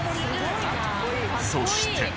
そして。